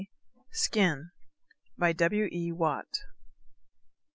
_ SKIN. W. E. WATT.